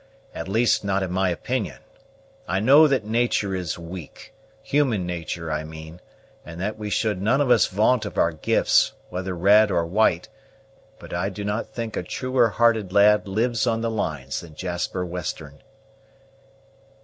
At least, not in my opinion. I know that natur' is weak human natur', I mean and that we should none of us vaunt of our gifts, whether red or white; but I do not think a truer hearted lad lives on the lines than Jasper Western."